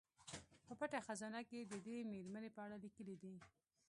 په پټه خزانه کې یې د دې میرمنې په اړه لیکلي دي.